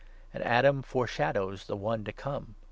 And Adam foreshadows the One to come.